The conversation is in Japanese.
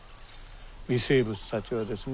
微生物たちはですね